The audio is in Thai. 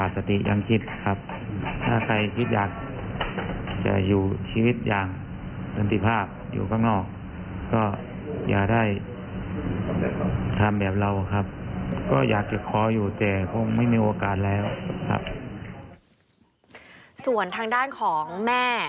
ส่วนทางด้านของแม่